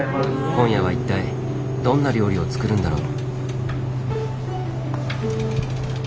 今夜は一体どんな料理を作るんだろう。